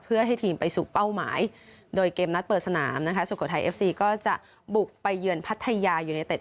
เพื่อให้ทีมไปสู่เป้าหมายโดยเกมนัดเปิดสนามนะคะสุโขทัยเอฟซีก็จะบุกไปเยือนพัทยายูเนเต็ด